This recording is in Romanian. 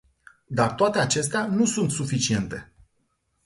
Dar toate acestea nu sunt suficiente.